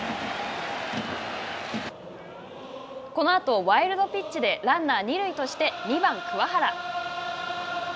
このあと、ワイルドピッチでランナー二塁として２番桑原。